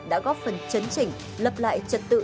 đã góp phần chấn chỉnh lập lại trật tự